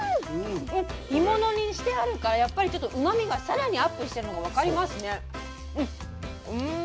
干物にしてあるからやっぱりちょっとうまみが更にアップしてるのが分かりますね。